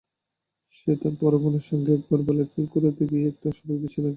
সে তার বড় বোনের সঙ্গে এক ভোরবেলায় ফুল কুড়াতে গিয়ে একটি অস্বাভাবিক দৃশ্য দেখল।